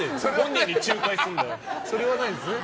それはないですね。